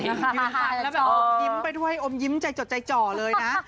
มีหายแล้วแบบอมยิ้มไปด้วยอมยิ้มใจจดใจจ่อเลยนะ